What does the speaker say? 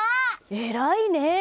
えらいね。